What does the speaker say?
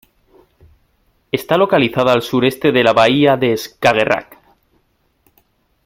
Está localizada al sureste de la bahía de Skagerrak.